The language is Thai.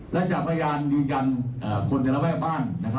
และจะพยายามยืนยันคนในระว่างบ้าน